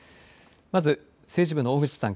まず政治部の小口さん。